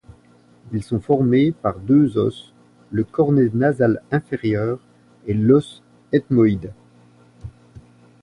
Ils sont formés par deux os, le cornet nasal inférieur et l'os ethmoïde.